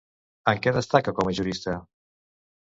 En què destaca com a jurista?